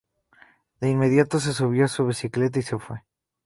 De inmediato se subió a su bicicleta y se fue.